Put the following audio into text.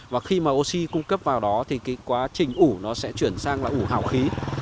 và khi mà oxy cung cấp vào đó thì cái quá trình ủ nó sẽ chuyển sang là ủ hào khí